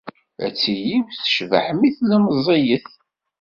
Ad tili tecbeḥ mi tella meẓẓiyet.